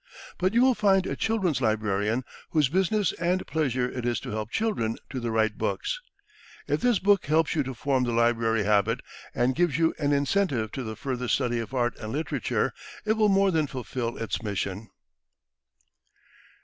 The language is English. But you will find a children's librarian whose business and pleasure it is to help children to the right books. If this book helps you to form the library habit, and gives you an incentive to the further study of art and literature, it will more than fulfill its mission.